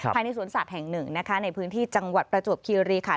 ภายในสวนสัตว์แห่งหนึ่งนะคะในพื้นที่จังหวัดประจวบคีรีขัน